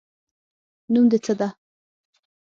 نوم د څه ده